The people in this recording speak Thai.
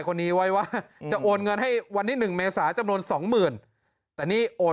คนนี้ไว้ว่าจะโอนเงินให้วันที่๑เมษาจำนวนสองหมื่นแต่นี่โอน